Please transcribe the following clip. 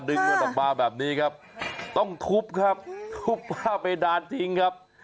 ดึงมันออกมาแบบนี้ครับต้องทุบครับทุบฝ้าเพดานทิ้งครับ